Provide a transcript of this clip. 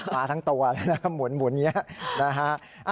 ปลาทั้งตัวหมุนอย่างนี้นะคะ